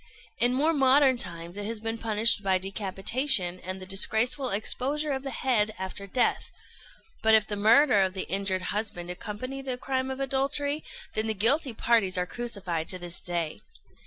In more modern times it has been punished by decapitation and the disgraceful exposure of the head after death; but if the murder of the injured husband accompany the crime of adultery, then the guilty parties are crucified to this day.